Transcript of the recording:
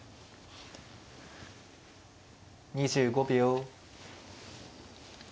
２５秒。